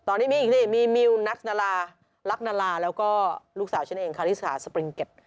ตอนนี้มีอีกสิมีมิวนักดารารักนาราแล้วก็ลูกสาวฉันเองคาริสาสปริงเก็ต